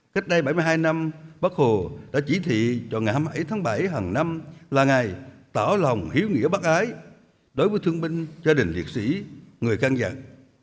cách đây bảy mươi hai năm bác hồ đã chỉ thị cho ngày hai mươi bảy tháng bảy hàng năm là ngày tạo lòng hiếu nghĩa bác ái đối với thương binh gia đình liệt sĩ người căng dặn